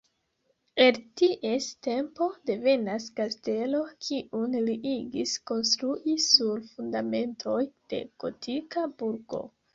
El ties tempo devenas kastelo, kiun li igis konstrui sur fundamentoj de gotika burgo.